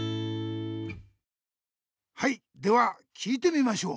はいでは聞いてみましょう。